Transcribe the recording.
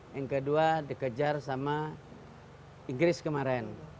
yang kedua dikejar sama inggris kemarin